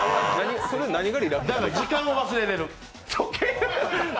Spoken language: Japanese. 時間を忘れられる。